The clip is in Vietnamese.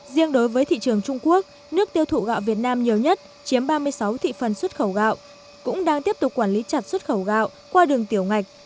riêng đối với thị trường trung quốc nước tiêu thụ gạo việt nam nhiều nhất chiếm ba mươi sáu thị phần xuất khẩu gạo cũng đang tiếp tục quản lý chặt xuất khẩu gạo qua đường tiểu ngạch